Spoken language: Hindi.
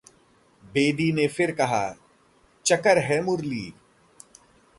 बेदी ने फिर कहा, चकर है मुरली